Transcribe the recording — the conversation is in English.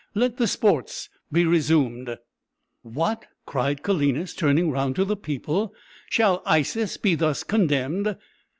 Let the sports be resumed." "What!" cried Calenus, turning round to the people, "shall Isis be thus contemned?